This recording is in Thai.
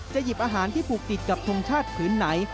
หยิบอาหารที่ผูกติดกับทงชาติผืนไหน